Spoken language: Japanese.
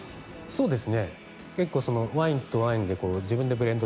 そうです。